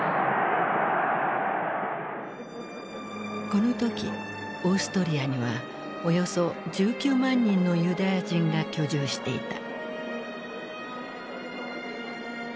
この時オーストリアにはおよそ１９万人のユダヤ人が居住していた。